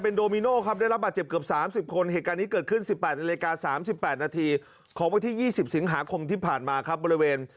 นี่ครับหงายหลังก็ไปทอดลงไปอย่างนั้นเลย